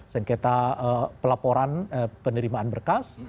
sengketa pelaporan penerimaan berkas